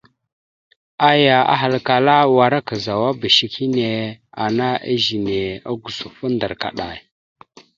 Aya ahalkala: « Wara kazawaba shek hine ana ezine ogǝsufo ndar kaɗay ».